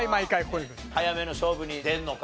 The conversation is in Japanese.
早めの勝負に出るのか？